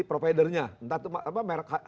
providernya entah itu apa